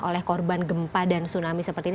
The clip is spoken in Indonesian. oleh korban gempa dan tsunami seperti ini